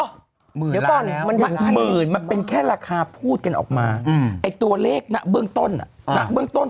เดี๋ยวตอนนี้มันเกินร้านอีกหมื่นมันเป็นแค่ราคาพูดกันออกมาไอตัวเลขนักเบื้องต้น